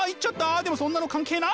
でもそんなの関係ない！